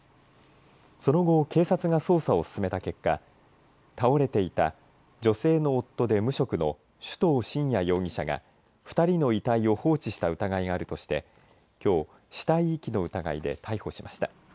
その後警察が捜査を進めた結果倒れていた女性の夫で無職の首藤伸哉容疑者が２人の遺体を放置した疑いがあるとしてきょう死体遺棄の疑いで逮捕しました。